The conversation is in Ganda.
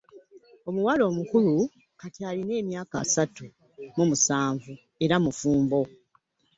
Omuwala omukulu kati alina emyaka asatu mu musanvu era mufumbo.